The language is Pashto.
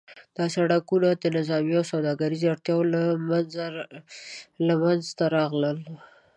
دا سړکونه د نظامي او سوداګریز اړتیاوو لپاره منځته راغلل.